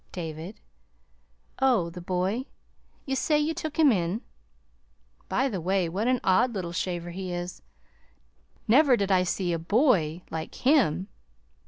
"David." "Oh, the boy. You say you took him in? By the way, what an odd little shaver he is! Never did I see a BOY like HIM."